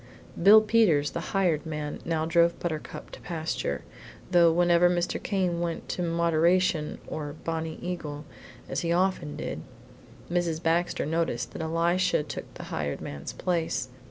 Bill Peters, the hired man, now drove Buttercup to pasture, though whenever Mr. Came went to Moderation or Bonnie Eagle, as he often did, Mrs. Baxter noticed that Elisha took the hired man's place.